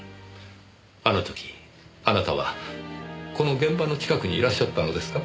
あの時あなたはこの現場の近くにいらっしゃったのですか？